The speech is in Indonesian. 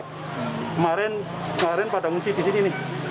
kemarin pada mengungsi di sini nih